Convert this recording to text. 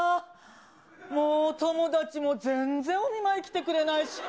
もう友達も全然お見舞い来てくれないし。